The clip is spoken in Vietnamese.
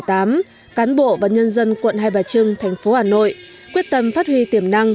cán bộ và nhân dân quận hai bà trưng thành phố hà nội quyết tâm phát huy tiềm năng